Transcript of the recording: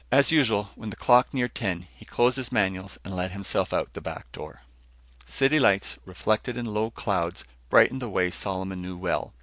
As usual, when the clock neared ten, he closed his manuals and let himself out the back door. City lights, reflected in low clouds, brightened the way Solomon knew well.